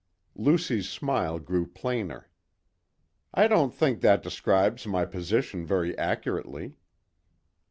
Lucy's smile grew plainer. "I don't think that describes my position very accurately."